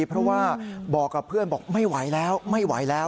เพราะว่าบอกกับเพื่อนบอกไม่ไหวแล้วไม่ไหวแล้ว